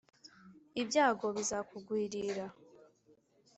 Ibyago bizakugwirira .